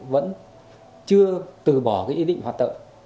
vẫn chưa từ bỏ ý định hoạt động